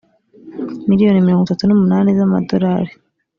miliyoni mirongo itatu n umunani z amadolari